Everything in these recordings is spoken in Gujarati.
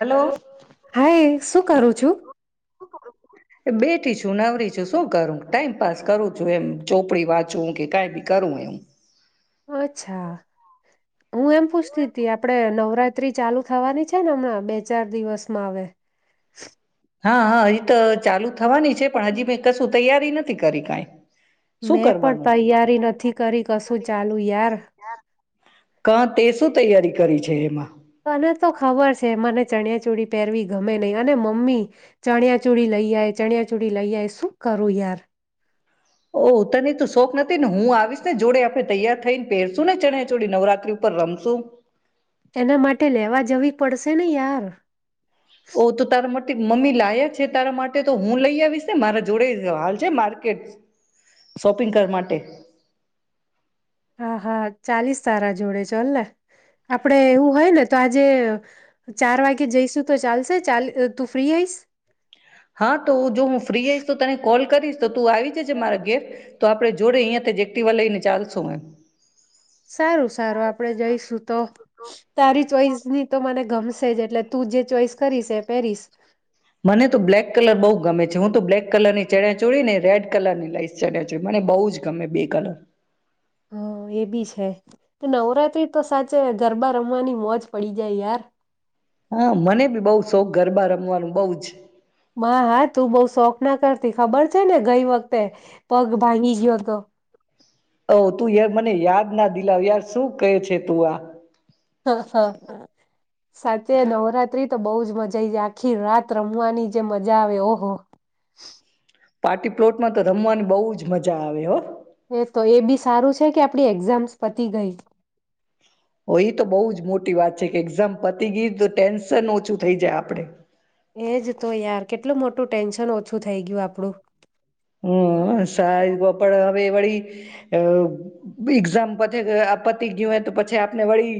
હ હલો હાાય શું કરું છું. ું નવરી છું શું કરું ટાઈમપાસ કરું છું એમ ચોપડી વાંચું કે કઈ બી કરું એમ. અચ્છા હું એમ પૂછતી હતી આપડે નવરાત્રી ચાલુ થવાની છે ને હમણાં બે ચાર દિવસમાં હ. હા હા હજી તો ચાલુ. થવાની છે પણ હજી ભ કશું. તૈયારી નથી કરી કઈ. મેં પણ તૈયારી નથી કરી કશું ચાલુ યાર. ક તે શું તૈયારી કરી છે એમાં. તને તો ખબર છે મને ચણિયા ચૂડી પહેરવી ગમે નહીિ અને મમ્મી ચણિયા ચૂડી લઈ આય ચણિયા ચૂડી લઈ આય શું કરું યાર. ઓ તરની તો શોખ નથી ને હું આવીશ ને જોડે આપે. તૈયાર થઈ ને પહેરશું ને ચણે ચોડી નવરાત્રી ઉપર રમશું. તેના માટે લેવા જેવી. પડશે ને યાર. ઓ તો ત મત. મમ્મી લાયા છે તારા માટે તો હું લઈ આવીશ ને મારા જોડે હાલ છે માર્કેટ [unintelligible] શોપિંગ કરવા માટે. હા હા ચાલીસ તારા જોડે ચાલ ને આપણેે એવું હોય ને તો આજે ચાર વાગે જઈશું તો ચાલશે ચા તું ફ્રી આઈશ. હા તો હ જો હું ફ્રી આવીઈશ તો તને કોલ કરીશ. તું આવી જેજ મારા ઘેર તો આપડે જોડે અહંયા જે એક્ટિવા લઈને ચાલશું એમ. સારું સારું આપણેે જઈશું તો તારી ચોઈસ ની તો મને ગમશે. સઈઝ એટલે. તું જે ચોસ કરી છે પેહરી મને તો બ્લેક કલર બહુ ગમે હું તો બ્લેક કલર ની ચડ ચોડી ને રેડ કલર ની લાઈસ ચડ ચોડી મને બહુ જ ગમે બે કલર. હ એ બી છે. નવરાત્રી તો સાચે ગરબા રમવાની મોજ પડી જાય યાર. હા મને બી બઉુ શોખ ગરબા રમવાનું બહ જ. હા તું બઉ શોખ ના કરતી ખબર છે ને ગઈ વખતે પગ ભાંગી ગયો હતો. ઓ તું ય મને યાદ ના દિલાવ યાર શું કહે છે તું આ. હા હા સાથેચ નવરાત્રી. તો બહ જ મજા આવી જાય આખી રાત રમવાની જે મજા આવે ઓહો. પાર્ટી પ્લોટમાં તો રમવાની બહુ જ મજા આવે હો. આપણી એક્ઝામ્સ પતી ગઈ. ઓ એ તો બઉ જ મોટી વાત છે કે એક્ઝામ પતી ગી, તો ટેન્શન ઓછું થઇ જાય આપડે. એજ તો યાર કેટલું મોટું ટેન્શન ઓછું થઈ ગ્યું આપણું. હમ્મ સાયબો હવે વળી અ એક્ઝામ પતિ ગઈ હો આ પતિ ગયું હોય તો પછી આપને વળી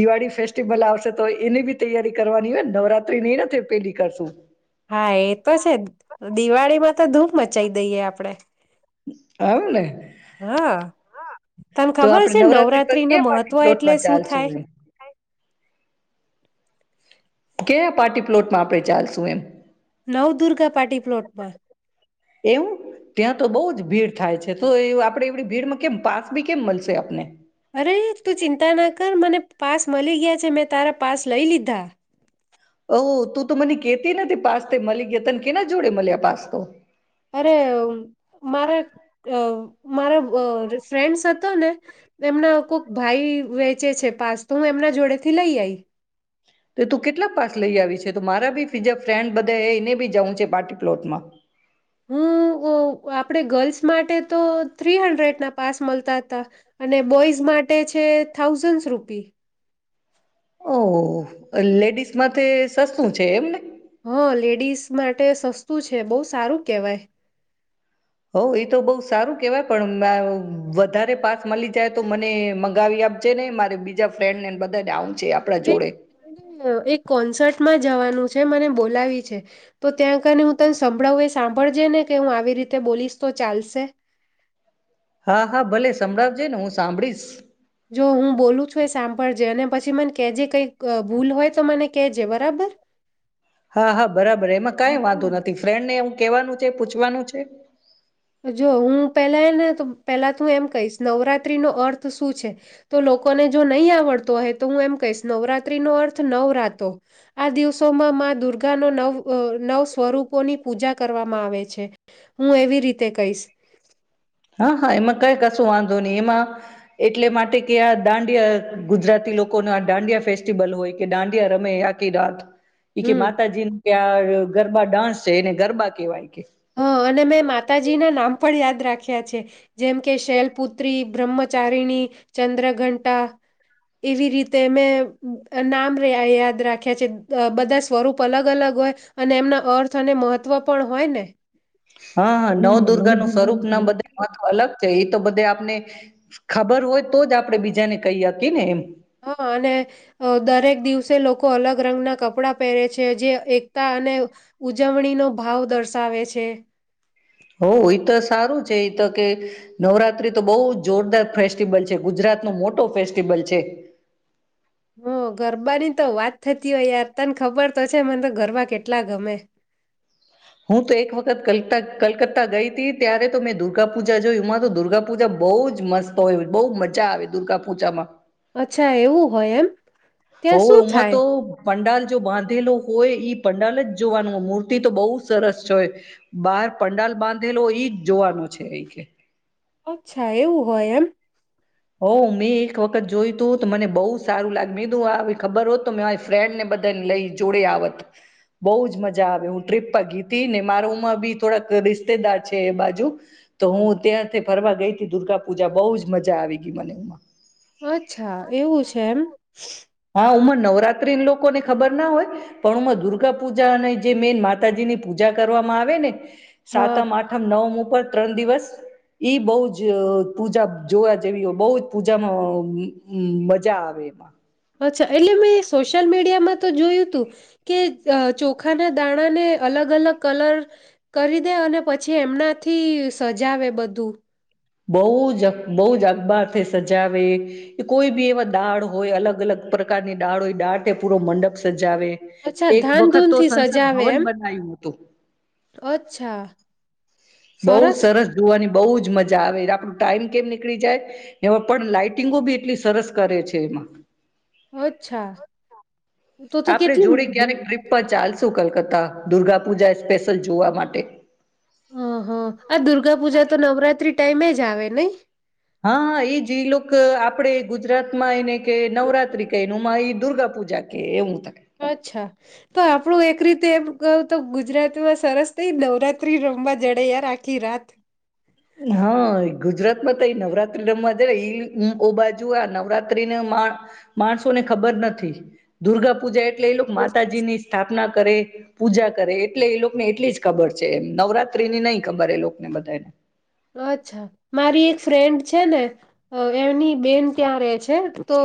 દિવાળી ફેસ્ટિવલ આવશે તો એની બી તૈયારી કરવાની હોયને નવરાત્રી ન નથી પેલી કરશું. હા એ તો છે જ. દિવાળીમાં તો ધૂ મ મચાઈ દઈએ આપડે. અવને હા, તને ખબર આપડે છે પર નવરાત્રી નો કયા પાર્ટી મહત્વ એટલે પ્લોટમાં શું ચાલશું થાય? એમ કેયા પાર્ટી પ્લોટમાં આપણે ચાલશું એમ? નવદુર્ગા પાર્ટી પ્લોટ મા. એવું, ત્યાં તો બહુ જ ભીડ થાય છે, તો એવ આપડે એવડી ભીડમાં કેમ પાસ બી કેમ મલશે આપને? અરે! તું ચિંતા ના કર મને પાસ મલી ગ્યા છે, મેં તારા પાસ લઈ લીધા. કે નથી પાસ તે મલી ગ્યા તને કેના જોડે મલ્યા પાસ તો? અરે, મારા અ મારા અ ફ્રેન્ડ સર્ક તોને એમના કોક ભાઈ વે ચે છે પાસ, તો હું એમના જોડે થી લઈ આઈ. તો તું કેટલાક પાસ લઈ આવી છે, તું મારા બી બીજા ફ્રેન્ડ બધા એ એને બી જઉં છે પાર્ટી પ્લોટમાં? હું અ આપ ણે ગર્લ્સ માટે તો થ્રી હન્ડ્રેડના પાસ મલતા હતા. અને બોઈઝ માટે છે થાઉઝડસ રૂપી. ઓ હો હો, અ લેડીસ માંથે સસ્તું છે એમને? હા લેડીઝ માટે સસ્તું છે, બઉ સારું કેહવાય. હઉ એ તો બઉ સારું કેવાય પણ અમ વધારે પાસ મલી જાય તો મને મંગાવી આપજે ને, મારે બીજા ફ્રેન્ડને બધા ને આવું છે આપણા એક જોડે [inaudible] એક કોન્સર્ટમાં જ જવાનું છે મને બોલાવી છે, તો ત્યાં કને હું તને સંભળાવું એ સાંભળજે ને કે હું આવી રીતે બોલીશ તો ચાલશે? હા હા ભલે સંભળાવજે ને, હું સાંભળીશ. જો હું બોલું છું એ સામ ભળજે અને પછી મને કેજે કઈક ભૂલ હોય તો મને કેજે બરાબર? હા હા બરાબર, એમાં કઈ વાંધો નથી, ફ્રેન્ડને એઉ કેવાનું છે, પૂછવાનું છે. જો હું પેલા એને તો પેલા તું એમ કહીશ નવરાત્રી નો અર્થ શું છે. તો લોકોને જો નહી આવડતું. તો હું એમ કહીશ નવરાત્રી નો અર્થ નવરાતો આ દિવસોમાં મા દુર્ગા ન નવ નવ સ્વરૂપોની પૂજા કરવામાં આવે છે. હું એવી રીતે કહીશ હા હા એમાં કઈ કશો વાંધો નહી એમાં એટલે માટે કે આ દાંડિયા ગુજરાતી લોકો ન આ દાંડિયા ફેસ્ટિવલ હોય કે દાંડિયા રમે આકી રાત એ કે હમ માતાજી ન ત્યાં. ગરબા ડાન્સ છે એને ગરબા કેહેવાય કે હા અને મેં માતાજી ના નામ પણ યાદ રાખ્યા છે. જેમ કે શૈલપુત્રી બ્રહ્મચારીણી, ચંદ્રઘંટા એવી રીતે મે મે નામ યાદ રાખ્યા છે બધા સ્વરૂપ અલગ-અલગ હોય અને એમના અર્થ અને મહવ તવ પણ હોય ને હા હા નવદુર્ગા નુ સ્વરૂપ ના બરાબર. બધા મહત્વ અલગ છે. તો બધે આપને ખબર હોય તો જ આપણે બીજાને કહી હકીએ ને એમ ત હા અને દરેક દિવસે લોકો અલગ રંગના કપડાં પહેરે છે જે એકતા અને ઉજવણીનો ભાવ દર્શાવે છે. હો એ તો સારું છે એ તો કે નવરાત્રી તો બહુ જોરદાર ફેસ્ટિવલ છે ગુજરાત નો મોટો ફેસ્ટિવલ છે. હ ગરબા રી. તો વાત થતી હોય યાર તને ખબર તો છે મને તો ગરબા કેટલા ગમે છ હું તો એક વખત કલતા કલકત્તા ગઈ હતી ત્યારે તો મેં દુર્ગા પૂજા જોયમાં તો દુર્ગાપૂજા બઉજ મસ્ત હોય બહુ મજા આવે દુર્ગાપૂજામાં. અચ્છા એવું હોય એમ. હો ત્યાં શું હમાં થાય તો. પંડાલ જો બાંધેલો હોય ઈ પંડાલ જ જોવાનું હોય મૂર્તિ તો બહુ સરસ છે હોય બહાર પંડાલ બાંધેલો ઈ જ જોવાનું છે અ કે. અચ્છા એવું હોય એમ. હો મેં એક વખત જોયું તું તો મને બહુ સારું લાગ મે તું ખબર હોત તો મે મારી ફ્રેન્ડને બધાને લઈ જોડે આવત બહુજ મજા આવે હું ટ્રીપ પર ગીતી ને મારોમાં બી થોડાક રિશ્તેદાર છે એ બાજુ તો હું ત્યાંથી ફરવા ગઈ હતી દુર્ગા પૂજા બહુજ મજા આવી બ બનેમાં અચ્છા એવું છે એમ અરે લોકોને ખબર ના હોય પણ હમાં દુર્ગા પૂજા અને જે મેન માતાજીની પૂજા કરવામાં આવે ને હા સાતમ આઠમ નવ મુ ત્રણ દિવસ ઈ બહુ જ પૂજા જોવા જેવી બહુ જ પૂજામાં મમજા આવે એમાં. અચ્છા એટલે મેં સોશિયલ મીડિયામાં તો જોયું હતું કે ચોખાના દાણા ને અલગ અલગ કલર કરી દે અને પછી એમનાથી સજાવે બધું બઉુ જ. બહ જ અબારથી સજાવે કોઈ બી એવા દાળ હોય અલગ અલગ પ્રકારની દાળ હોય દાળ પૂરો મંડપ સ જ આવે અચ્છા એક ધાન વખત તો ધૂનથી સંસદ સજાવે ભવન એમ બનાયું હતું. અચ્છા [unintelligible] સરસ જોવાની બઉ. બહુ જ મજા આવે આપણું ટાઈમ કેમ નીકળી જાય એ પણ લાાઈટિંગો બી એટલી સરસ કરે છે એમાં. અચ્છા. તો તો આપડણે કેટલી જોડી ક્યારેક ટ્રીપ પર ચાલશું કલકતા. હતા દુર્ગા પૂજા એ સ્પેશલ જોવા માટે. હ હ આ દુર્ગા પૂજા તો નવરાત્રી ટાઈમે જ આવે નહી હા હા એ જ લો આપડે ગુજરાત માં એને કે નવરાત્રી કહે ન માઈ દુર્ગા પૂજા જકે એવું થ અચ્છા તો આપણું એક રીતે એમ [unintelligible] તો ગુજરાતમાં સરસ થઈ નવરાત્રી રમવા જડે યાર આખી રાત હા ગુજરાત માં તો નવરાત્રી રમવા જ એ ઓ બાજુ આ નવરાત્રીને મા માણસો ને ખબર નથી દુર્ગા પૂજા એ એટ એ લોકો માતાજી ની સ્થાપના કરે પૂજા કરે એટલે એ લોકોને એટલી જ ખબર છે, એમ નવરાત્રી ની નહી ખબર એ લોકોને બધાને અચ્છા મારી એક ફ્રેન્ડ છે, ને અ એમની બેન ત્યાં રહે છે, તો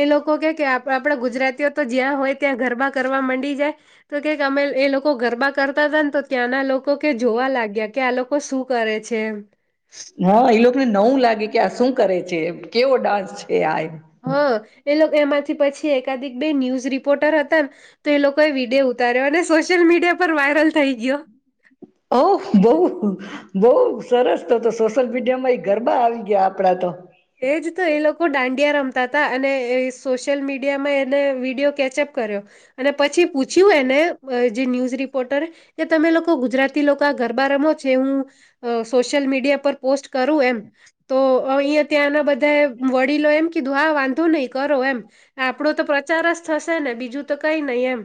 એ લોકો કે કે આપ આપ ગુજરાતીઓ તો જ્યાં હોય ત્યાં ગરબા કરવા માંડી જાય તો કેક અમે એ લોકો ગરબા કરતા હતા ને તો ત્યાંના લોકો કે જોવા લાગ્યા કે આ લોકો શું કરે છે. હા એ લોકોને નવું લાગે કે આ શું કરે છે. કેવો ડાન્સ છે આ એમ હા એ લોકો એમાંથી પછી એક [unintelligible] ન્યૂઝ રિપોર્ટર હતા ને તો એ લોકોએ વિડીયો ઉતાર્યો અને સોશિયલ મીડિયા પર વાયરલ થઈ ગયો ઓ બઉ બહ સરસ તો સોશિયલ મીડિયા માં એ ગરબા આવી ગયા આપડા તો એજ તો એ લોકો [unintelligible] અને સોશિયલ મીડિયામાં એને વિડીિયો કેચઅપ કર્યો અને પછી પૂછ્યું એને જે ન્યૂઝ રિપોર્ટર કે તમે લોકો ગુજરાતી લોકો આ ગરબા રમો છે, હું અ સોશિયલ મીડિયા પર પોસ્ટ કરું એમ તો અહીંયા ત્યાંના બધા વડીલો એમ કીધું આ વાંધો નહી કરો એમ આપડો તો પ્રચાર જ થશે ને બીજું તો કઈ [unintelligible] એમ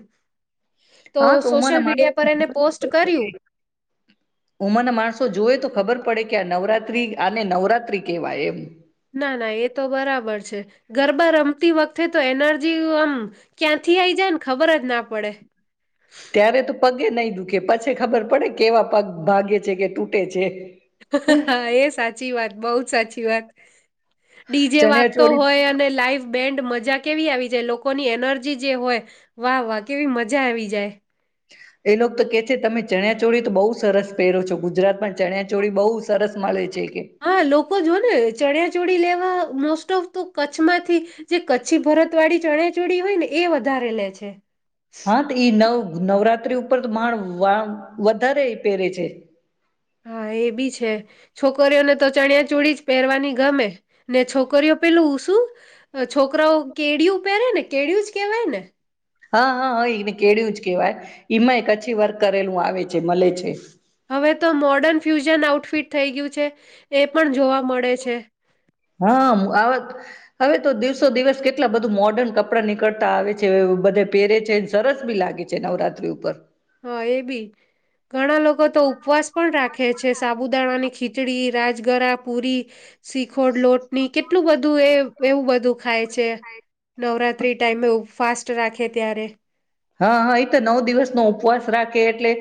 તો હા સોશિયલ ઉંમરના માણ મીડિયા પર એને પોસ્ટ કર્યું ઉમરના માણસો જોએ તો ખબર પડે કે ક નવરાત્રી આ નવરાત્રી કેવાય એમ ના ના એ તો બરાબર છે, ગરબા રમતી વખતે તો એનર્જી આમ ક્યાંથી આઈ જાય ને ખબર જ ના પડે ત્યારે તો પર કે નહી દુખે પછી ખબર પડે કેવા પગ ભાગે છે, કે તૂટે છે. હા એ સાચી વાત બઉ સાચી વાત ડીજે ચણ્યા વાગતો ચોળી હોય અને લાઈવ બેન્ડ મજા કેવી આવી જાય લોકોની એનર્જી જે હોય વાહ વાહ કેવી મજા આવી જાય એ લોકો તો કે છે, તમે ચણ્યા ચોળી તો બઉુ સરસ પહેરો છો ગુજરાત પણ ચણ્યા ચોળી બઉુ સરસ મળે છે. કે હા લોકો જો ને ચણ્યા ચોળી લેવા. મોસ્ટ ઓફ તો કચ્છમાંથી જે કચ્છી ભરત વાળી ચણેચોડી હોય ને એ વધારે લે છે. હા તો ઈ નવ નવરાત્રી ઉપર. ઉપ તો માણ [unintelligible] વધારે પહેરે છે. હા એ બી છે, છોકરીઓને તો ચણ્યા [unintelligible] જ. પહેરવાની ગમે. ને છોકરીઓ પેલું શું. છોકરાઓ કેળ પહેરે ને કેળું જ કેવાય ને. હા હા હો એને કેળું જ કેવાય. ઈમાંય કછી વર્ક કરેલું આવે છે, મળે છે. હવે તો મોર્ડર્ન ફ્યુ આઉટફિટ થઈ ગયું છે, એ પણ જોવા મળે છે. હા હવે તો દિવસો દિવસ કેટલા બધું મોર્ડર્ન કપડાં નીકળતા આવે છે, બધે પહેરે છે, સરસ બી લાગે છે નવરાત્રી ઉપર. હા એ બી ઘણા લોકો તો ઉપવાસ પણ રાખે છે, સાબુદાણા ની ખીચડી રાજગરા પુરી. શીખોડ લોટની કેટલું બધું એ એવું બધું ખાય છે, નવરાત્રી. [unintelligible] ફાસ્ટ રાખે ત્યારે. હા હા એ તો નવ દિવસ નો ઉપવાસ રાખે એટલે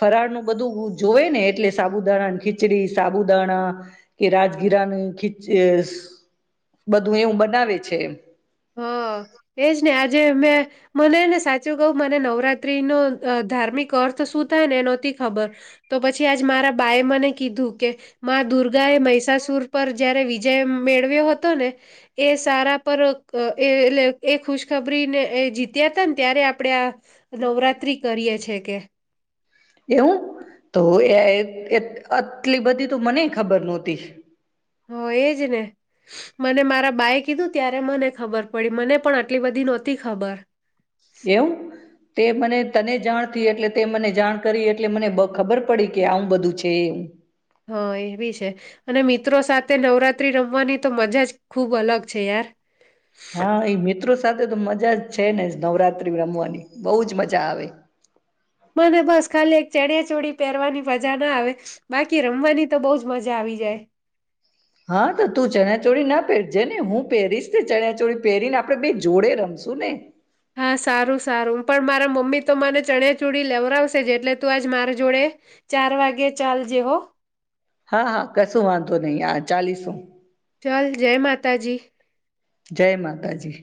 ફરાળ નું બધું જોવે ને એટલે સાબુદાણા ખીચડી સાબુદાણા કે રાજગીરાનું ખી બધું એવું બનાવે છે. હા એજ ને આજે મેં. મનેને સાચું કઉ મને નવરાત્રી નો ધાર્મિક અર્થ શું થાય ને એ નથી ખબર તો પછી આજ મારા બાાય મને કીધું કે. મા દુર્ગા એ મિસાસુર પર. જયારે વિજય મેળવ્યો હતો ને એ સારા પર. અ [unintelligible] એ એટ એ ખુશખબરીને એ જીત્યા હતા ને ત્યારે આપણે આ. નવરાત્રી કરીએ [unintelligible] છે કે. એવું તો [unintelligible] આટલી બધી તો મને ખબર નહોતી. હ એજ ને મને મારા [unintelligible] કીધું ત્યારે મને ખબર પડી મને પણ આટલી બધી નહોતી ખબર. એવું. તે મને તને જાણ [unintelligible] એટલે તે મને જાણ કરી એટલે મને ખબર પડી કે આવું બધું છે, એમ. હા [unintelligible] છે, અને મિત્રો સાથે નવરાત્રી રમવાની તો મજા જ ખુબ અલગ છે, યાર. હા એ મિત્રો સ સાથે તો મજા જ છે ને નવરાત્રી રમવાની, બહુજ મજા આવે. મને બસ ખાલી ચણીયા ચોલી પહેરવાની મજા ના આવે, બાકી રમવાની તો બહુંજ મજા આવી જાય. હા તો તું ચણીયા ચોરી ન પહેરજે ને, હું પહેરીશ ને ચણીયા ચોરી પહેરીને આપડે બે જોડે રમશું ને. હા સારું-સારું પણ મારા મો મમ્મી તો મને ચણીયા ચોલી લેવરાવશે જ એટલે તું આજ મારી જોડે ચાર વાગે ચાલજે હો. હા, હા કશું વાંધો નહી, હા ચાલીશું હું. ચાલ, જય માતાજી. જય માતાજી.